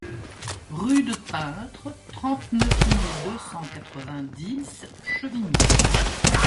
Rue de Peintre, trente-neuf mille deux cent quatre-vingt-dix Chevigny